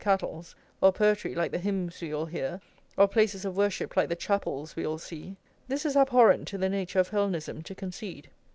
Cattle's, or poetry like the hymns we all hear, or places of worship like the chapels we all see, this it is abhorrent to the nature of Hellenism to concede.